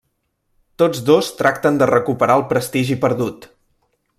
Tots dos tracten de recuperar el prestigi perdut.